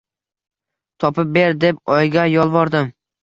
Topib ber, deb oyga yolvordim.